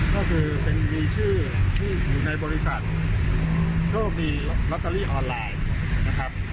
ก็คือเป็นมีชื่อที่อยู่ในบริษัทก็มีลอตเตอรี่ออนไลน์นะครับ